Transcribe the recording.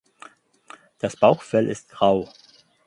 Das Bauchfell ist grau.